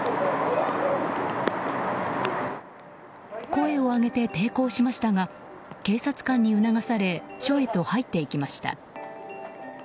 声を上げて抵抗しましたが警察官に促され署へと入っていきました。